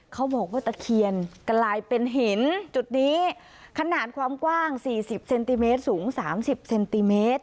เขาบอกว่าตะเคียนกลายเป็นหินจุดนี้ขนาดความกว้าง๔๐เซนติเมตรสูง๓๐เซนติเมตร